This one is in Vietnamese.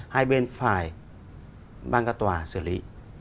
hai bên phải ban cả tòa xử lý